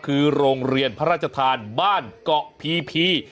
คือโรงเรียนพระราชทานบ้านเกาะพีพี